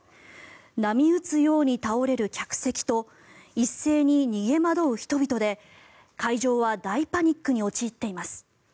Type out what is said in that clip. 波打つように倒れる客席と一斉に逃げ惑う人々で会場は大パニックに陥っています。